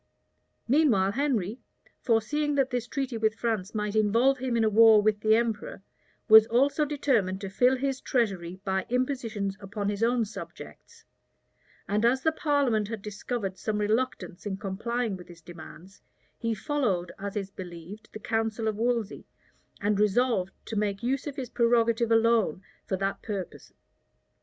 Meanwhile Henry, foreseeing that this treaty with France might involve him in a war with the emperor, was also determined to fill his treasury by impositions upon his own subjects; and as the parliament had discovered some reluctance in complying with his demands, he followed, as is believed, the counsel of Wolsey, and resolved to make use of his prerogative alone for that purpose.